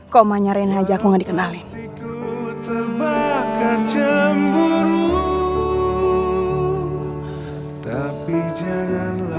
kok mamanya rina aja aku gak dikenalin